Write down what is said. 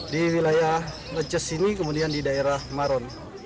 di wilayah neces ini kemudian di daerah maron